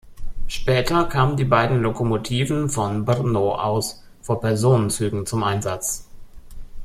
Später kamen die beiden Lokomotiven von Brno aus vor Personenzügen zum Einsatz.